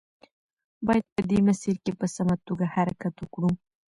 باید په دې مسیر کې په سمه توګه حرکت وکړو.